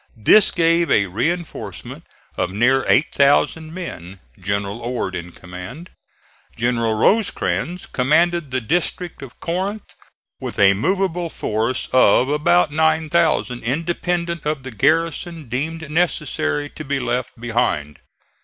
This gave a reinforcement of near 8,000 men, General Ord in command. General Rosecrans commanded the district of Corinth with a movable force of about 9,000 independent of the garrison deemed necessary to be left behind.